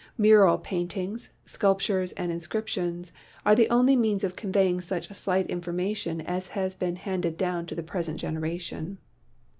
Mural paintings, sculptures and inscrip tions are the only means of conveying such slight informa tion as has been handed down to the present generation.